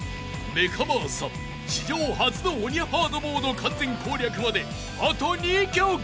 ［メカ真麻史上初の鬼ハードモード完全攻略まであと２曲！］